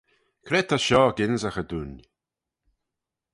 Cre ta shoh gynsaghey dooin?